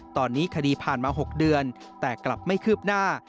ตอนนี้คดีผ่านมา๖เดือนแต่กลับไม่คืบหน้า